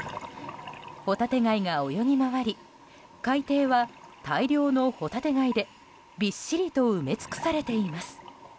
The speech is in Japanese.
ホタテ貝が泳ぎ回り海底は大量のホタテ貝でびっしりと埋め尽くされています。